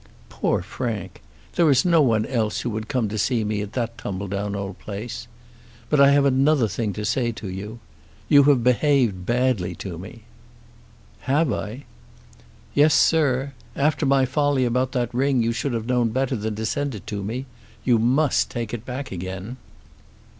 "Poor Frank! There is no one else who would come to see me at that tumbledown old place. But I have another thing to say to you. You have behaved badly to me." "Have I?" "Yes, sir. After my folly about that ring you should have known better than to send it to me. You must take it back again."